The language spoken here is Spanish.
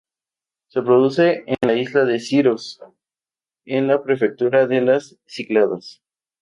Se produce en la isla de Siros en la prefectura de las Cícladas.